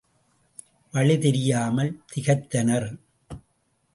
வழி தெரியாமல் திகைத்தனர்.